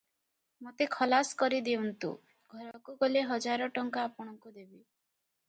ମୋତେ ଖଲାସ କରିଦେଉନ୍ତୁ, ଘରକୁ ଗଲେ ହଜାର ଟଙ୍କା ଆପଣଙ୍କୁ ଦେବି ।"